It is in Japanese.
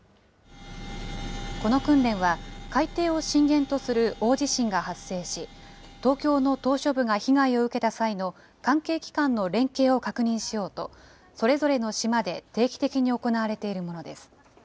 この訓練は、海底を震源とする大地震が発生し、東京の島しょ部が被害を受けた際の関係機関の連携を確認しようと、それぞれの島で定期的に行われているものです。